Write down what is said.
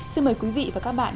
xin mời quý vị và các bạn